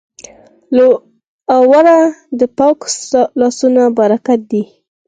اوړه د پاکو لاسو برکت دی